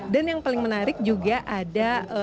dan yang paling menarik juga ada